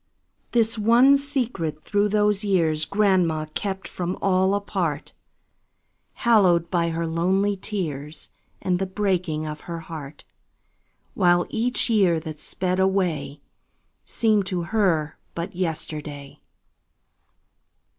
This one secret through those years Grandma kept from all apart, Hallowed by her lonely tears And the breaking of her heart; While each year that sped away Seemed to her but yesterday.